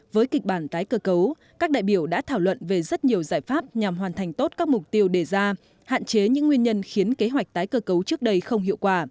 với kịch bản tái cơ cấu các đại biểu đã thảo luận về rất nhiều giải pháp nhằm hoàn thành tốt các mục tiêu đề ra hạn chế những nguyên nhân khiến kế hoạch tái cơ cấu trước đây không hiệu quả